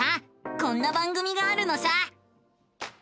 こんな番組があるのさ！